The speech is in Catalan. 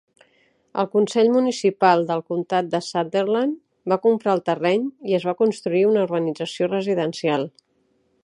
El consell municipal del comptat de Sunderland va comprar el terreny i es va construir una urbanització residencial.